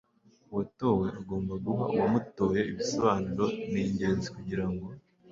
uwatowe agomba guha uwamutoye ibisobanuro ni ingenzi kugira ngo